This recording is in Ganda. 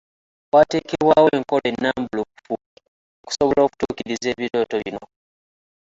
Waateekebwawo enkola ennambulukufu okusobola okutuukiriza ebirooto bino.